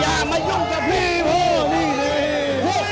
อย่ามายุ่งกับพี่พ่อ